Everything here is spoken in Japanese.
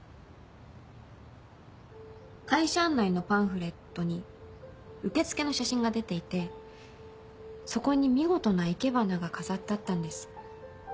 会社案内のパンフレットに受付の写真が出ていてそこに見事な生け花が飾ってあったんです。